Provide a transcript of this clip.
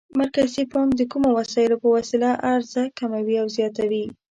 مرکزي بانک د کومو وسایلو په وسیله عرضه کموي او زیاتوي؟